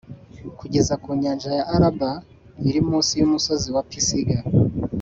kugera ku nyanja ya Araba iri munsi y’umusozi wa Pisiga.